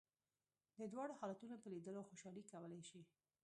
د دواړو حالتونو په لیدلو خوشالي کولای شې.